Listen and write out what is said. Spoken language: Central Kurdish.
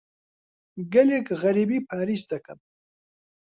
گەلێک غەریبی پاریس دەکەم.